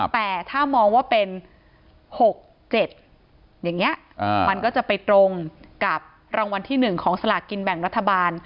แต่ถ้ามองว่าเป็น๖๗อย่างนี้มันก็จะไปตรงกับรางวัลที่๑ของสลากกินแบ่งรัฐบาล